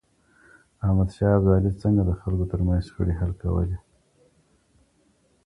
احمد شاه ابدالي څنګه د خلګو ترمنځ شخړې حل کولې؟